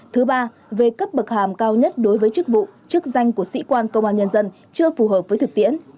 thứ ba về cấp bậc hàm cao nhất đối với chức vụ chức danh của sĩ quan công an nhân dân chưa phù hợp với thực tiễn